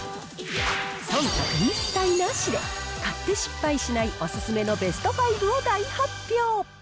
そんたく一切なしで、買って失敗しない、お勧めのベスト５を大発表。